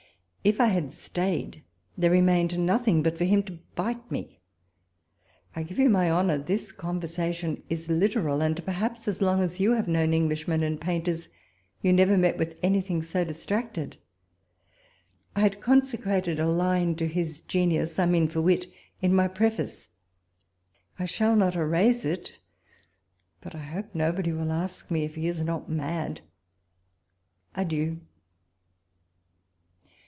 If I had stayed, there remained nothing but for him to bite me. I give you my honour this con versation is literal, and, perhaps, as long as you have known Englishmen and painters, you never met with anytliing so distracted. I had conse crated a line to his genius (I mean, for wit) in my Preface : I shall not erase it ; but I hope nobody will ask me if he is not mad. Adieu